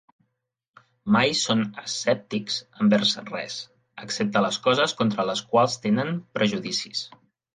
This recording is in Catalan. Mai són escèptics envers res, excepte les coses contra les quals tenen prejudicis.